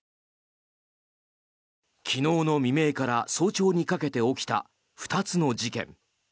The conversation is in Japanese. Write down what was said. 昨日の未明から早朝にかけて起きた２つの事件。